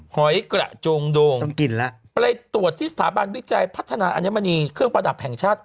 หอยกระโจงโดงกินแล้วไปตรวจที่สถาบันวิจัยพัฒนาอัญมณีเครื่องประดับแห่งชาติ